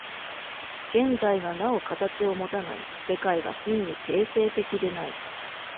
現在がなお形をもたない、世界が真に形成的でない。